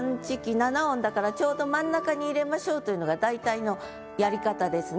７音だからちょうど真ん中に入れましょうというのが大体のやり方ですね。